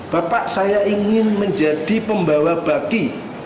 bapak saya ingin menjadi pembawa baki